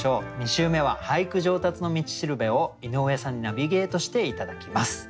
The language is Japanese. ２週目は俳句上達の道しるべを井上さんにナビゲートして頂きます。